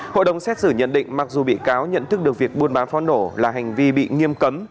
hội đồng xét xử nhận định mặc dù bị cáo nhận thức được việc buôn bán pháo nổ là hành vi bị nghiêm cấm